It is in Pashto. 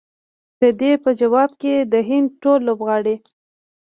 د دې په ځواب کې د هند ټول لوبغاړي